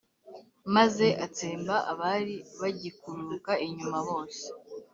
maze atsemba abari bagikururuka inyuma bose;